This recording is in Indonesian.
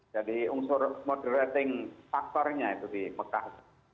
jadi unsur moderating faktornya itu di mekah